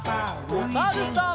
おさるさん。